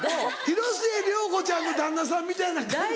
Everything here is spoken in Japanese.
広末涼子ちゃんの旦那さんみたいな感じか。